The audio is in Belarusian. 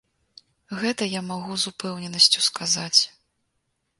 Гэта я магу з упэўненасцю сказаць.